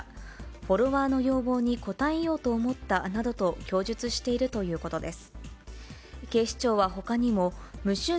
フォロワーの要望に応えようと思ったなどと供述しているということです。